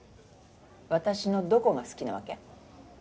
私のどこが好きなわけ？